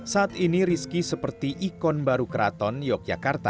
saat ini rizki seperti ikon baru kraton yogyakarta